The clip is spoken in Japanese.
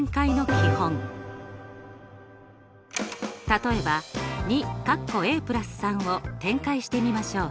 例えば２を展開してみましょう。